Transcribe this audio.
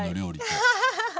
アハハハ！